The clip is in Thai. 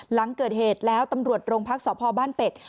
หลังเกิดเหตุแล้วตำรวจโรงพักษพบ้านเป็ด